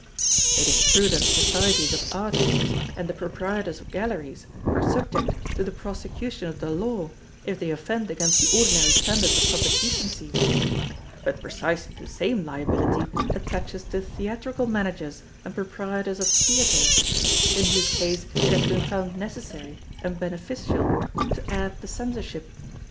It is true that Societies of artists and the proprietors of Galleries are subject to the prosecution of the Law if they offend against the ordinary standards of public decency; but precisely the same liability attaches to theatrical managers and proprietors of Theatres, in whose case it has been found necessary and beneficial to add the Censorship.